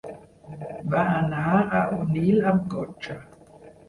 Va anar a Onil amb cotxe.